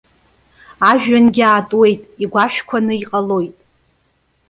Ажәҩангьы аатуеит, игәашәқәаны иҟалоит.